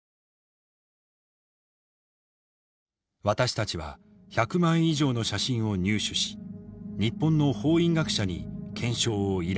私たちは１００枚以上の写真を入手し日本の法医学者に検証を依頼。